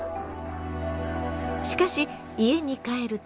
しかし家に帰ると。